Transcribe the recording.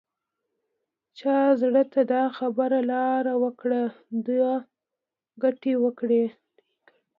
چا زړه ته دا خبره لاره وکړي دوه ګټې وکړي.